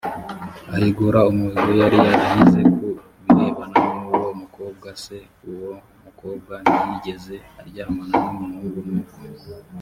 ahigura umuhigo yari yarahize ku birebana n uwo mukobwa c uwo mukobwa ntiyigeze aryamana n umugabo nuko